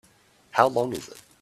How long is it?